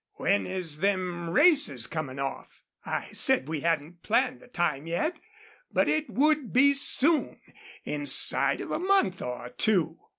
'When is them races comin' off?' I said we hadn't planned the time yet, but it would be soon inside of a month or two.